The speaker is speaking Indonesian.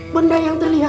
benda yang terlihat